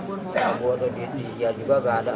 kabur disisi juga gak ada